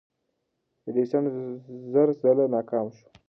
ایډیسن زر ځله ناکام شو.